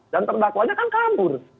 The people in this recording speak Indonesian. dan terbakwanya kan kabur